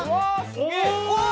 すげえ！